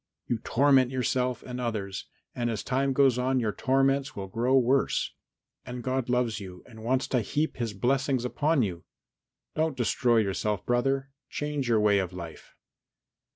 You torment yourself and others, and as time goes on your torments will grow worse, and God loves you and wants to heap His blessings upon you. Don't destroy yourself, brother; change your way of life."